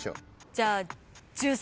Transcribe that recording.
じゃあ１３。